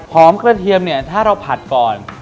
กระเทียมเนี่ยถ้าเราผัดก่อน